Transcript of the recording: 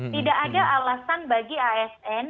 tidak ada alasan bagi asn